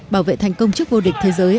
bảo vệ thành công trước vô địch thế giới